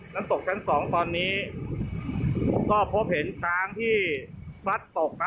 น้ำตกชั้น๒ตอนนี้ก็พบเห็นช้างที่พลัดตกนะ